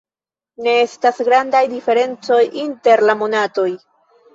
Ne estas grandaj diferencoj inter la monatoj.